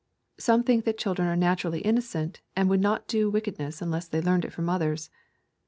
— Some think that children are naturally inno cent, and would do no wickedness unless they learned it from others.